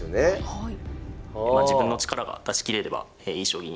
はい。